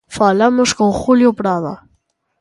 Falamos con Julio Prada.